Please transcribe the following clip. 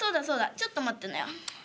ちょっと待ってなよ。